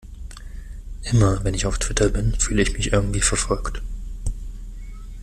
Immer, wenn ich auf Twitter bin, fühle ich mich irgendwie verfolgt.